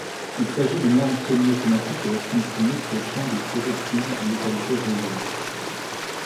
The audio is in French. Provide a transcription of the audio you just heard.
Il s'agit d'une arme semi-automatique à air comprimé projetant des projectiles à létalité réduite.